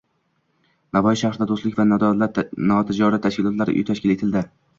Navoiy shahrida “Do‘stlik va nodavlat notijorat tashkilotlari uyi” tashkil etildi.